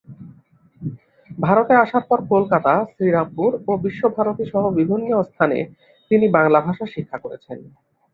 ভারতে আসার পর কোলকাতা, শ্রীরামপুর ও বিশ্বভারতী সহ বিভিন্ন স্থানে তিনি বাংলা ভাষা শিক্ষা করেছেন।